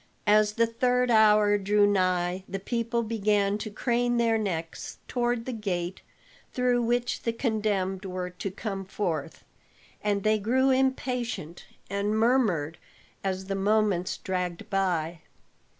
As the third hour drew nigh, the people began to crane their necks toward the gate through which the condemned were to come forth, and they grew impatient and murmured as the moments dragged by.